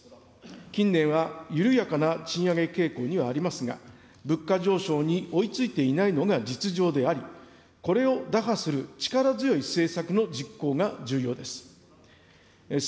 近年は緩やかな賃上げ傾向にはありますが、物価上昇に追いついていないのが実情であり、これを打破する力強い政策の実行が重要です。